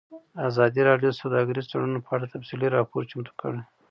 ازادي راډیو د سوداګریز تړونونه په اړه تفصیلي راپور چمتو کړی.